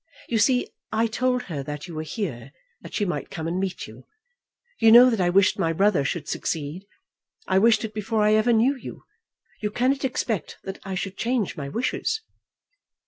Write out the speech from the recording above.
You see, I told her that you were here, that she might come and meet you. You know that I wished my brother should succeed. I wished it before I ever knew you. You cannot expect that I should change my wishes."